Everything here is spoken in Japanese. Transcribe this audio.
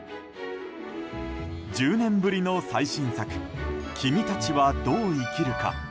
１０年ぶりの最新作「君たちはどう生きるか」。